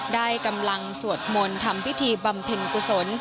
ได้กำลังสวดมนต์ทำพิธีบำเพ็ญกุศล